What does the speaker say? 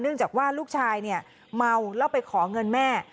เนื่องจากลูกชายเมาและไปของเงินแม่